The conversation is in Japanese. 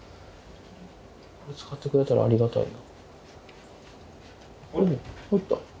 これ使ってくれたらありがたいよ。